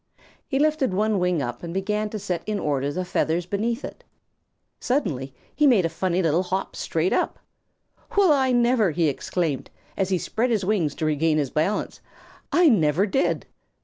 He lifted one black wing and began to set in order the feathers beneath it. Suddenly he made a funny little hop straight up. "Well, I never!" he exclaimed, as he spread his wings to regain his balance. "I never did!"